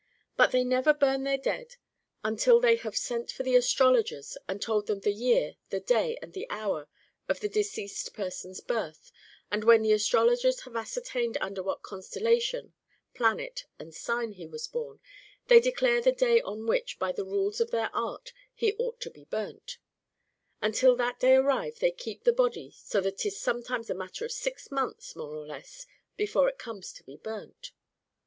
But they never burn their dead until they have [sent Chap. XL. THE PROVINCE OF TANGUT 205 for the astrologers, and told them the year, the day, and the hour of the deceased person's birth, and when the astrologers have ascertained under what constellation, planet, and sign he was born, they declare the day on which, by the rules of their art, he ought to be burnt]. And till that day arrive they keep the body, so that 'tis sometimes a matter of six months, more or less, before it comes to be burnt.